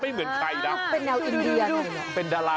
ไม่ใช่มีแค่นั้นทุกคนเขา